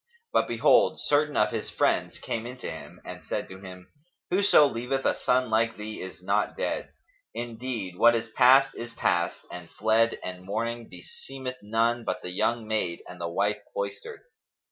But behold, certain of his friends came in to him and said to him, "Whoso leaveth a son like thee is not dead; indeed, what is past is past and fled and mourning beseemeth none but the young maid and the wife cloistered."